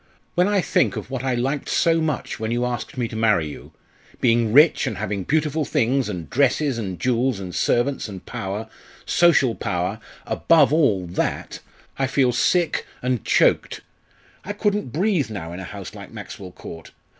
When I think of what I liked so much when you asked me to marry you being rich, and having beautiful things, and dresses, and jewels, and servants, and power social power above all that I feel sick and choked. I couldn't breathe now in a house like Maxwell Court.